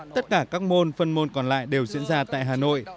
tất cả các môn phân môn còn lại đều diễn ra tại hà nội